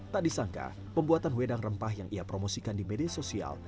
tak disangka pembuatan wedang rempah yang ia promosikan di media sosial